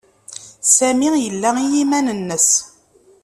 Sami yella i yiman-nnes.